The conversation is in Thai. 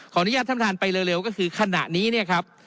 อนุญาตท่านประธานไปเร็วก็คือขณะนี้เนี่ยครับ